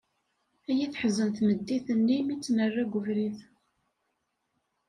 Ay teḥzen tmeddit-nni mi tt-nerra deg ubrid!